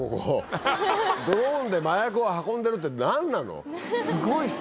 ドローンで麻薬を運んでるって何なの⁉すごいですね。